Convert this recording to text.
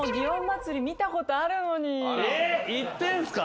行ってんすか？